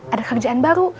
ada kerjaan baru